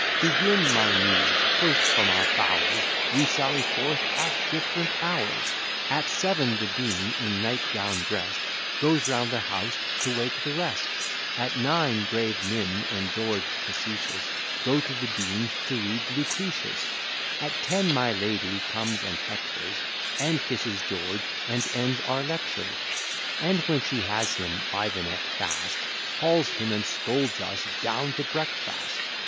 Begin, my Muse! First from our bowers We sally forth at different hours; At seven the Dean, in night gown drest, Goes round the house to wake the rest; At nine, grave Nim and George facetious, Go to the Dean, to read Lucretius; At ten my lady comes and hectors And kisses George, and ends our lectures; And when she has him by the neck fast, Hauls him, and scolds us, down to breakfast.